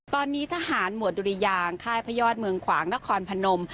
ตอนนี้ทหารหมวดดุริยางค่ายพระยอดเมืองขวางนครพนม